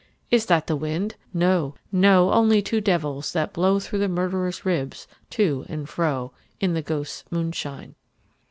Is that the wind ? No, no ; Only two devils, that blow Through the murderer's ribs to and fro. In the ghosts' moonshine.